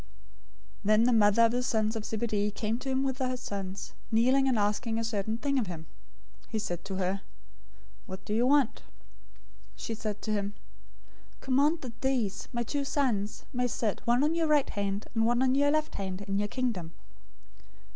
020:020 Then the mother of the sons of Zebedee came to him with her sons, kneeling and asking a certain thing of him. 020:021 He said to her, "What do you want?" She said to him, "Command that these, my two sons, may sit, one on your right hand, and one on your left hand, in your Kingdom."